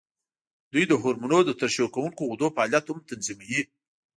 دوی د هورمونونو د ترشح کوونکو غدو فعالیت هم تنظیموي.